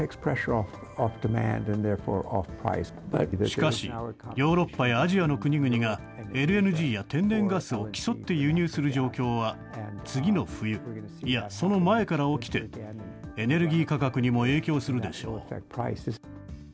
しかし、ヨーロッパやアジアの国々がＬＮＧや天然ガスを競って輸入する状況は次の冬、いや、その前から起きて、エネルギー価格にも影響するでしょう。